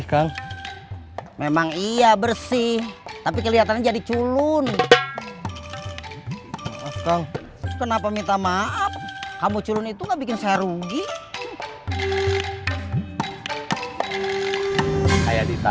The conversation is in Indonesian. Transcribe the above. kaya di taksi ya